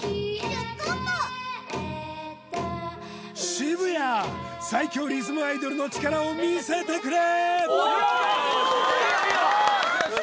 渋谷最強リズムアイドルの力を見せてくれ！